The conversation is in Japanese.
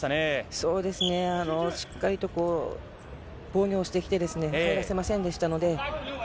そうですね、しっかりと防御をしてきて、入らせませんでしたので。